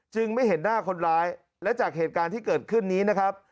ไม่เห็นหน้าคนร้ายและจากเหตุการณ์ที่เกิดขึ้นนี้นะครับ